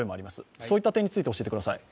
そういった点について教えてください。